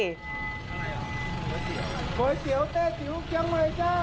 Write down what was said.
ก๋วยเตี๋ยวแต้จิ๋วเชียงใหม่จ้า